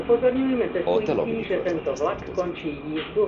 A Tel-Avivi körzethez tartozik.